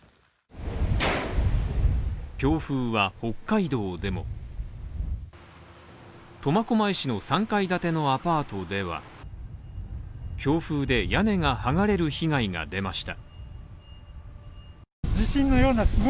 強風は北海道でも苫小牧市の３階建てのアパートでは強風で屋根が剥がれる被害が出ました。